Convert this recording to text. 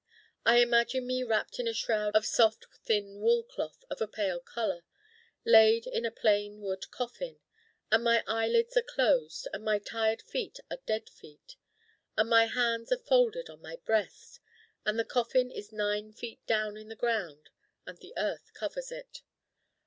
I imagine me wrapped in a shroud of soft thin wool cloth of a pale color, laid in a plain wood coffin: and my eyelids are closed, and my Tired feet are dead feet, and my hands are folded on my breast. And the coffin is nine feet down in the ground and the earth covers it.